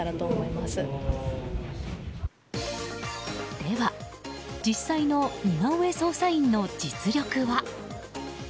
では、実際の似顔絵捜査員の実力は。